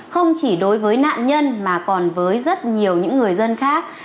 không chỉ đối với nạn nhân mà còn với rất nhiều những người dân khác